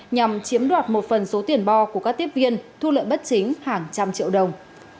nhằm chiếm đoạt một phần số tiền bo của các tiếp viên thu lợi bất chính hàng trăm triệu đồng